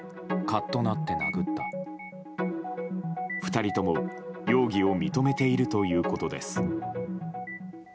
２人とも容疑を認めているということです。